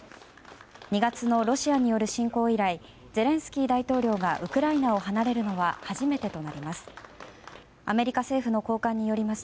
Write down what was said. ２月のロシアによる侵攻以来ゼレンスキー大統領がウクライナを離れるのは初めてとなります。